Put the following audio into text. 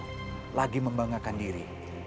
mereka membanggakan diri